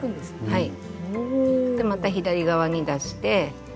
はい。